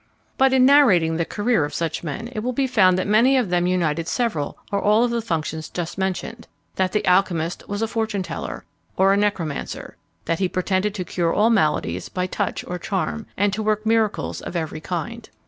But in narrating the career of such men, it will be found that many of them united several or all of the functions just mentioned; that the alchymist was a fortune teller, or a necromancer that he pretended to cure all maladies by touch or charm, and to work miracles of every kind.